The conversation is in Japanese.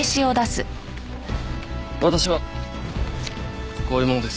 私はこういう者です。